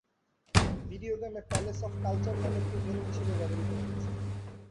Video গেমে "Palace of Culture" নামে এটি ভেন্যু হিসেবে ব্যবহৃত হয়েছে।